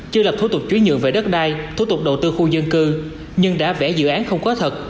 chưa làm thủ tục trí nhuận về đất đai thủ tục đầu tư khu dân cư nhưng đã vẽ dự án không có thật